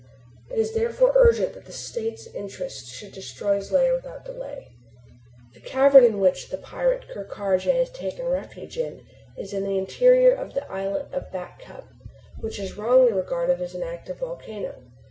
"It is therefore urgent that the states interested should destroy his lair without delay. "The cavern in which the pirate Ker Karraje has taken refuge is in the interior of the islet of Back Cup, which is wrongly regarded as an active volcano.